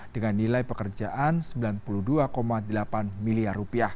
dengan nilai pekerjaan rp sembilan puluh dua delapan miliar